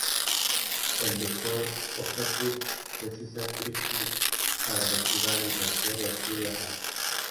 El Doctor Octopus precisa tritio para reactivar el reactor y acude a Harry.